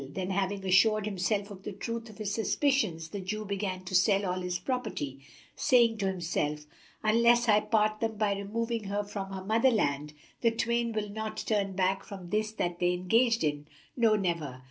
Then having assured himself of the truth of his suspicions, the Jew began to sell all his property, saying to himself, "Unless I part them by removing her from her mother land the twain will not turn back from this that they are engaged in, no, never!"